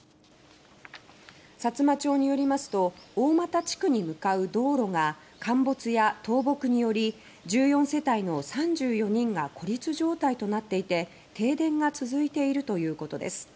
さつま町によりますと大俣地区にむかう道路が陥没や倒木により１４世帯の３４人が孤立状態となっていて停電が続いているということです。